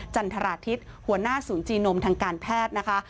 จันทราทิศหัวหน้าศูนย์จีนมทางการแพทย์นะคะ